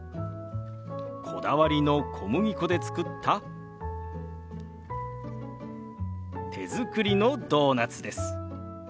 こだわりの小麦粉で作った手作りのドーナツです。